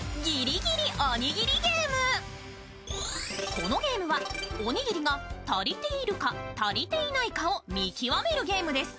このゲームはおにぎりが足りているか足りていないかを見極めるゲームです。